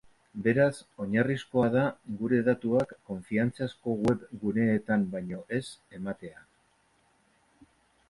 Beraz, oinarrizkoa da gure datuak konfiantzazko web guneetan baino ez ematea.